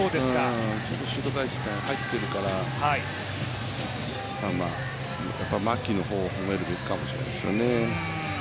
ちょっとシュート回転入っているから、まあ、牧の方を褒めるべきかもしれないですね。